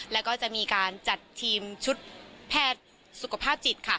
แล้วก็จะมีการจัดทีมชุดแพทย์สุขภาพจิตค่ะ